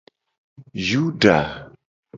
Yuda.